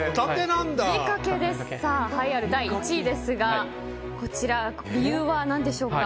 栄えある第１位ですが理由は何でしょうか。